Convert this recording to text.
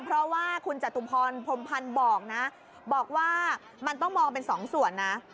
เพราะว่าคุณฌรภพพรมพันธ์บอกนะมันก็มองเป็นสองส่วนนะ